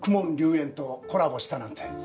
炎とコラボしたなんて。